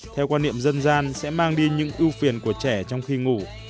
theo quan niệm dân gian sẽ mang đi những ưu phiền của trẻ trong khi ngủ